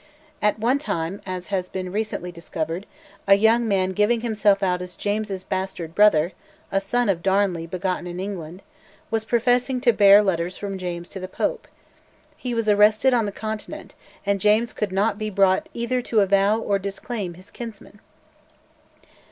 At one time, as has been recently discovered, a young man giving himself out as James's bastard brother (a son of Darnley begotten in England) was professing to bear letters from James to the Pope. He was arrested on the Continent, and James could not be brought either to avow or disclaim his kinsman!